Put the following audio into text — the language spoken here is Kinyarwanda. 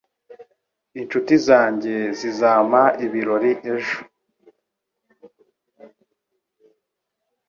Inshuti zanjye zizampa ibirori ejo.